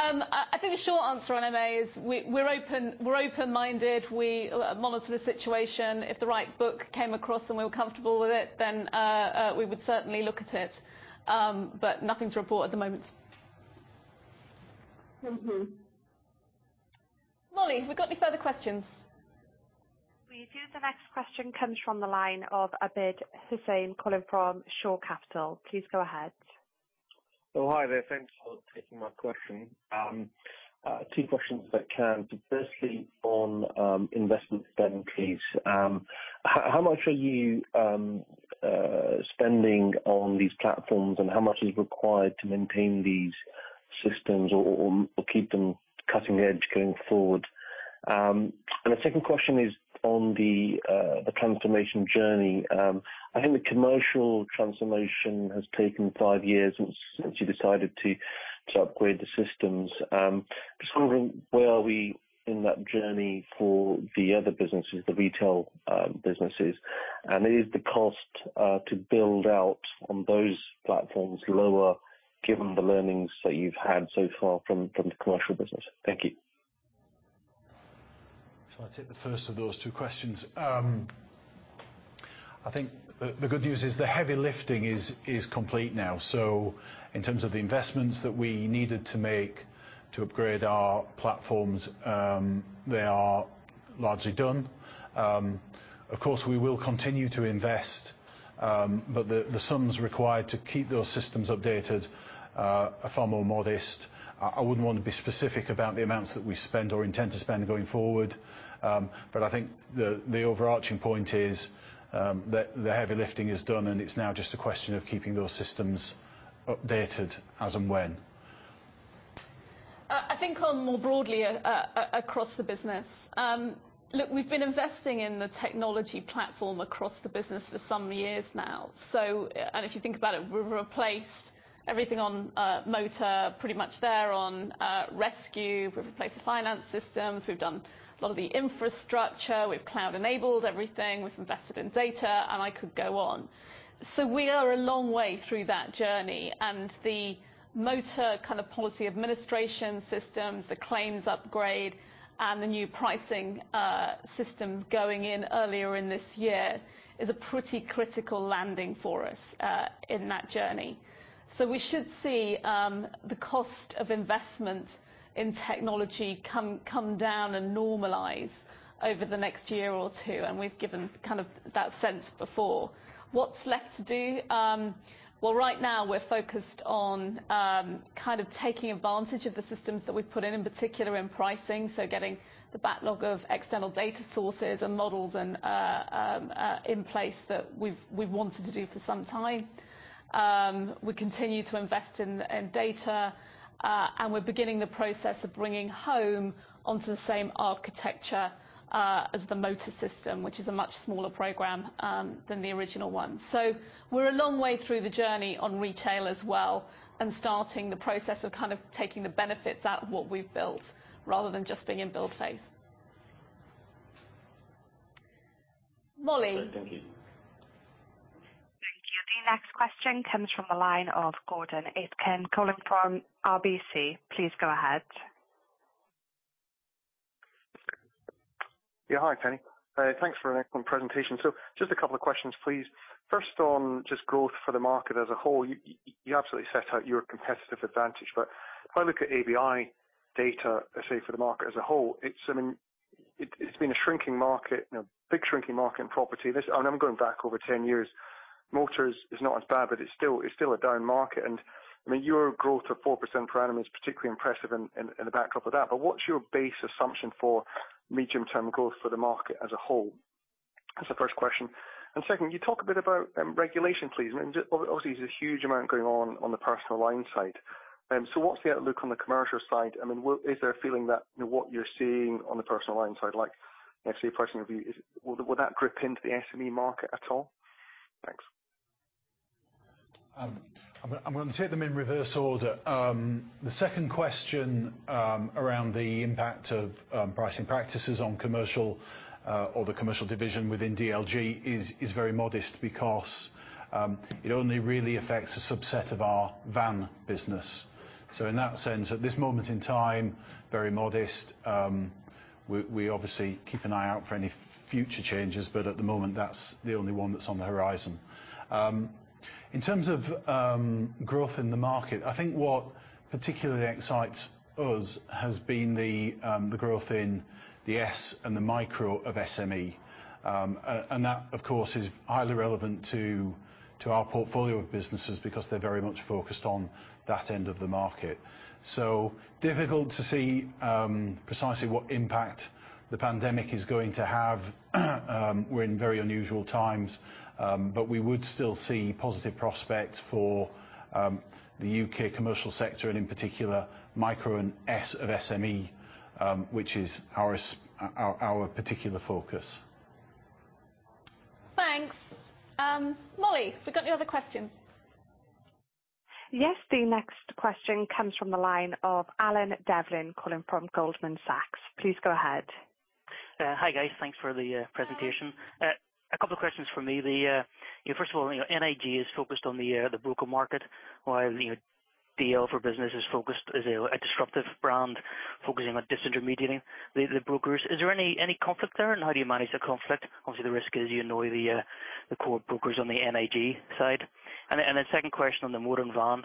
I think the short answer on M&A is we're open-minded. We monitor the situation. If the right book came across and we were comfortable with it, then we would certainly look at it. Nothing to report at the moment. Molly, have we got any further questions? We do. The next question comes from the line of Abid Hussain calling from Shore Capital. Please go ahead. Oh, hi there. Thanks for taking my question. Two questions if I can. So firstly, on investment spend, please. How much are you spending on these platforms, and how much is required to maintain these systems or keep them cutting edge going forward? And the second question is on the transformation journey. I think the commercial transformation has taken five years since you decided to upgrade the systems. Just wondering where we are in that journey for the other businesses, the retail businesses? And is the cost to build out on those platforms lower given the learnings that you've had so far from the commercial business? Thank you. Shall I take the first of those two questions? I think the good news is the heavy lifting is complete now. In terms of the investments that we needed to make to upgrade our platforms, they are largely done. Of course, we will continue to invest, but the sums required to keep those systems updated are far more modest. I wouldn't want to be specific about the amounts that we spend or intend to spend going forward. I think the overarching point is that the heavy lifting is done, and it's now just a question of keeping those systems updated as and when. I think more broadly across the business. Look, we've been investing in the technology platform across the business for some years now. If you think about it, we've replaced everything on motor pretty much there on rescue. We've replaced the finance systems. We've done a lot of the infrastructure. We've cloud enabled everything. We've invested in data, and I could go on. We are a long way through that journey, and the motor kind of policy administration systems, the claims upgrade, and the new pricing systems going in earlier in this year is a pretty critical landing for us in that journey. We should see the cost of investment in technology come down and normalize over the next year or two, and we've given kind of that sense before. What's left to do? Well, right now we're focused on kind of taking advantage of the systems that we've put in particular in pricing, so getting the backlog of external data sources and models and in place that we've wanted to do for some time. We continue to invest in data and we're beginning the process of bringing home onto the same architecture as the motor system, which is a much smaller program than the original one. We're a long way through the journey on retail as well and starting the process of kind of taking the benefits out of what we've built rather than just being in build phase. Molly. All right. Thank you. Thank you. The next question comes from the line of Gordon Aitken calling from RBC. Please go ahead. Hi, Tony. Thanks for an excellent presentation. Just a couple of questions, please. First on just growth for the market as a whole. You absolutely set out your competitive advantage, but if I look at ABI data, let's say for the market as a whole, it's been a shrinking market, you know, big shrinking market in property, and I'm going back over 10 years. Motors is not as bad, but it's still a down market. I mean, your growth of 4% per annum is particularly impressive in the backdrop of that. But what's your base assumption for medium-term growth for the market as a whole? That's the first question. Second, can you talk a bit about regulation, please? I mean, obviously there's a huge amount going on on the personal line side. What's the outlook on the commercial side? I mean, is there a feeling that, you know, what you're seeing on the personal line side, like actually pricing review, will that grip into the SME market at all? Thanks. I'm gonna take them in reverse order. The second question around the impact of pricing practices on commercial or the commercial division within DLG is very modest because it only really affects a subset of our van business. In that sense, at this moment in time, very modest. We obviously keep an eye out for any future changes, but at the moment that's the only one that's on the horizon. In terms of growth in the market, I think what particularly excites us has been the growth in the small and the micro of SME. And that, of course, is highly relevant to our portfolio of businesses because they're very much focused on that end of the market. Difficult to see precisely what impact the pandemic is going to have. We're in very unusual times, but we would still see positive prospects for the U.K. commercial sector, and in particular micro and sort of SME, which is our particular focus. Thanks. Molly, have we got any other questions? Yes. The next question comes from the line of Alan Devlin calling from Goldman Sachs. Please go ahead. Hi guys. Thanks for the presentation. A couple of questions from me. You know, first of all, NIG is focused on the broker market. While, you know, DL for Business is focused as a disruptive brand focusing on disintermediating the brokers. Is there any conflict there, and how do you manage the conflict? Obviously, the risk is you know the core brokers on the NIG side. The second question on the motor and van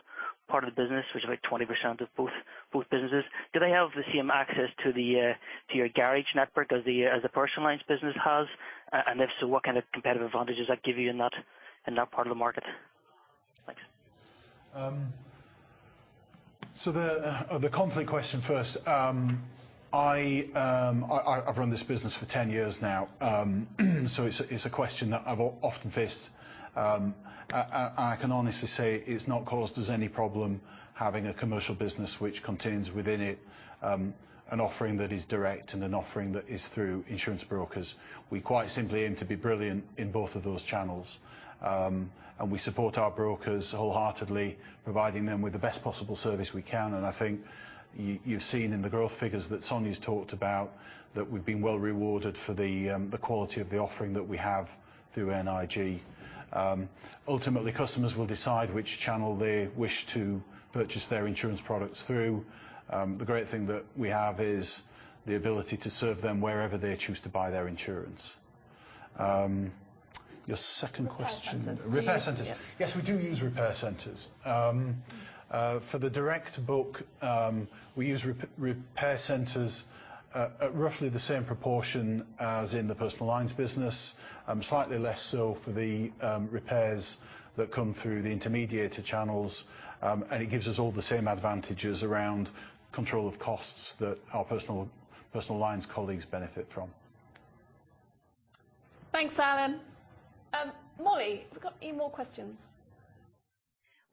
part of the business, which is like 20% of both businesses. Do they have the same access to your garage network as the personal lines business has? If so, what kind of competitive advantages that give you in that part of the market? Thanks. The conflict question first. I've run this business for 10 years now. It's a question that I've often faced. I can honestly say it's not caused us any problem having a commercial business which contains within it, an offering that is direct and an offering that is through insurance brokers. We quite simply aim to be brilliant in both of those channels. We support our brokers wholeheartedly, providing them with the best possible service we can. I think you've seen in the growth figures that Sonya's talked about that we've been well rewarded for the quality of the offering that we have through NIG. Ultimately customers will decide which channel they wish to purchase their insurance products through. The great thing that we have is the ability to serve them wherever they choose to buy their insurance. Your second question. Repair centers. Yes, we do use repair centers. For the direct book, we use repair centers at roughly the same proportion as in the personal lines business. Slightly less so for the repairs that come through the intermediary channels. It gives us all the same advantages around control of costs that our personal lines colleagues benefit from. Thanks, Alan. Molly, have we got any more questions?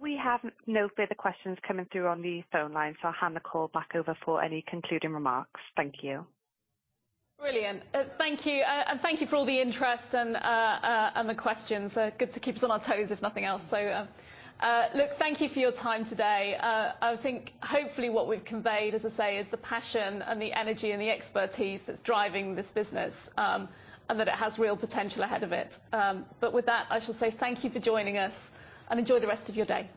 We have no further questions coming through on the phone line, so I'll hand the call back over for any concluding remarks. Thank you. Brilliant. Thank you. Thank you for all the interest and the questions. Good to keep us on our toes if nothing else. Look, thank you for your time today. I think hopefully what we've conveyed, as I say, is the passion and the energy and the expertise that's driving this business. That it has real potential ahead of it. With that, I shall say thank you for joining us and enjoy the rest of your day.